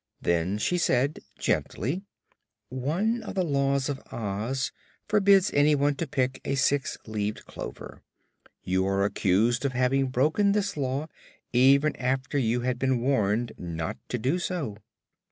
Then she said gently: "One of the Laws of Oz forbids anyone to pick a six leaved clover. You are accused of having broken this Law, even after you had been warned not to do so."